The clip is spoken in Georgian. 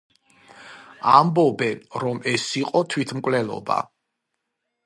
ამბობენ, რომ ეს იყო თვითმკვლელობა.